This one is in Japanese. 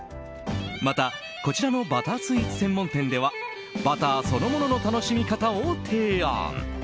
またこちらのバタースイーツ専門店ではバターそのものの楽しみ方を提案。